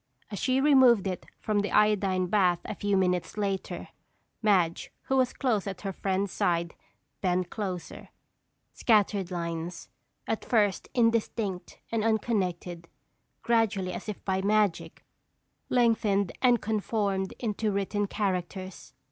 As she removed it from the iodine bath a few minutes later, Madge, who was close at her friend's side, bent closer. Scattered lines, at first indistinct and unconnected, gradually as if by magic, lengthened and conformed into written characters.